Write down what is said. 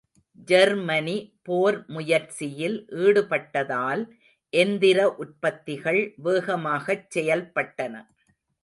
Germany போர் முயற்சியில் ஈடுபட்டதால் எந்திர உற்பத்திகள் வேகமாகச் செயல்பட்டன.